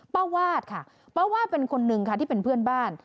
วาดค่ะป้าวาดเป็นคนนึงค่ะที่เป็นเพื่อนบ้าน